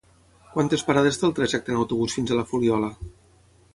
Quantes parades té el trajecte en autobús fins a la Fuliola?